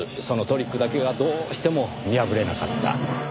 そのトリックだけがどうしても見破れなかった。